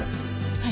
はい。